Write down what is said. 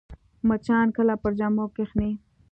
مچان کله پر جامو کښېني